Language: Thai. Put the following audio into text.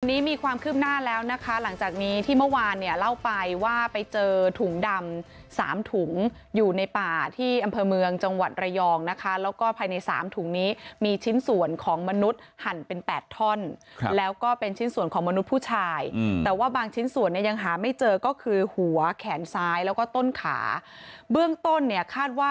วันนี้มีความคืบหน้าแล้วนะคะหลังจากนี้ที่เมื่อวานเนี่ยเล่าไปว่าไปเจอถุงดำสามถุงอยู่ในป่าที่อำเภอเมืองจังหวัดระยองนะคะแล้วก็ภายในสามถุงนี้มีชิ้นส่วนของมนุษย์หั่นเป็นแปดท่อนแล้วก็เป็นชิ้นส่วนของมนุษย์ผู้ชายแต่ว่าบางชิ้นส่วนเนี่ยยังหาไม่เจอก็คือหัวแขนซ้ายแล้วก็ต้นขาเบื้องต้นเนี่ยคาดว่า